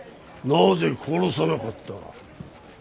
なぜ殺さなかった。